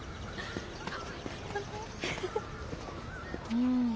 うん。